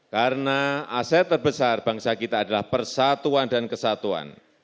karena aset terbesar bangsa kita adalah persatuan dan kesatuan